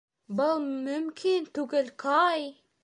Был мөмкин түгел, Кай!